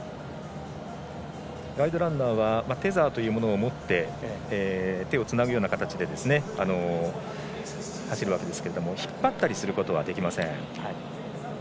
ガイドランナーはテザーというものを持って手をつなぐような形で走るわけですけれども引っ張ったりすることはできません。